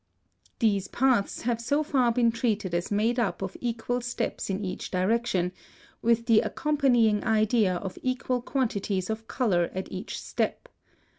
(164) These paths have so far been treated as made up of equal steps in each direction, with the accompanying idea of equal quantities of color at each step.